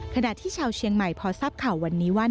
ขณะที่ชาวเชียงใหม่พอทราบข่าววันนี้ว่า